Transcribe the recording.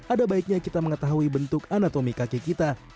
ada baiknya kita mengetahui bentuk anatomi kaki kita